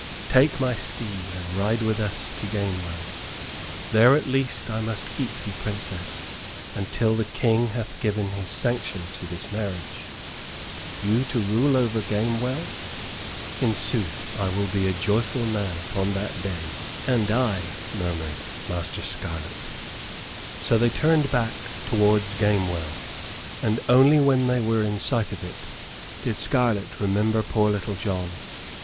"Take my steed and ride with us to Gamewell. There, at least, I must keep thee, Princess, until the King hath given his sanction to this marriage. You to rule over Gamewell? In sooth I will be a joyful man upon that day." "And I," murmured Master Scarlett. So they turned back towards Gamewell, and only when they were in sight of it did Scarlett remember poor Little John.